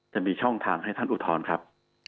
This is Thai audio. จะมีช่องทางให้ท่านอุทธรณ์ครับ